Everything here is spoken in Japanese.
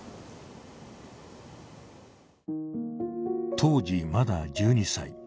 当時まだ１２歳。